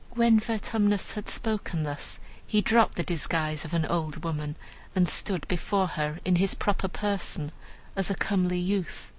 When Vertumnus had spoken thus, he dropped the disguise of an old woman, and stood before her in his proper person, as a comely youth.